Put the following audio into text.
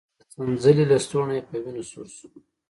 د څنځلې لستوڼی يې په وينو سور شو.